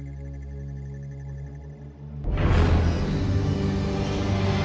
tidak ada yang bisa ibu lakukan